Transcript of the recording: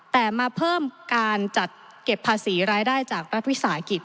แต่มาเพิ่มการจัดเก็บภาษีรายได้จากรัฐวิสาหกิจ